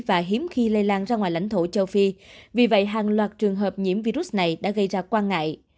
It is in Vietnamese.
và hiếm khi lây lan ra ngoài lãnh thổ châu phi vì vậy hàng loạt trường hợp nhiễm virus này đã gây ra quan ngại